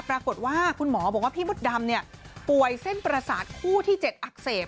ปรากฏว่าคุณหมอบอกว่าพี่มดดำป่วยเส้นประสาทคู่ที่๗อักเสบ